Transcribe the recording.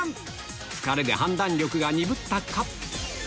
疲れで判断力が鈍ったか？